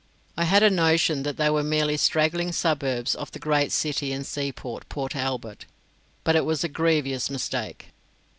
I had a notion that they were merely straggling suburbs of the great city and seaport, Port Albert. But it was a grievous mistake.